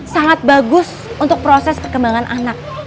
sangat bagus untuk proses perkembangan anak